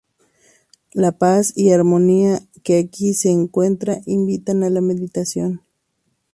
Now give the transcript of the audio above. La paz y armonía que aquí se encuentran invitan a la meditación.